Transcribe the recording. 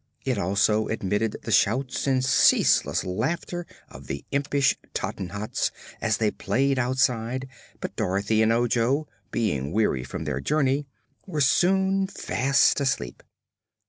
It also admitted the shouts and ceaseless laughter of the impish Tottenhots as they played outside, but Dorothy and Ojo, being weary from their journey, were soon fast asleep.